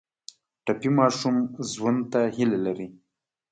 ټپي ماشوم ژوند ته هیله لري.